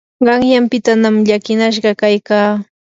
qanyanpitanam llakinashqa kaykaa.